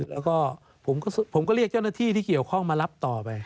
แล้วก็ผมก็เรียกเจ้าหน้าที่ที่เกี่ยวข้องมารับต่อไป